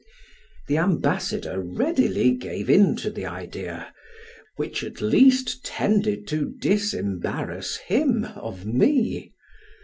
The ambassador readily gave in to the idea, which at least tended to disembarrass him of me.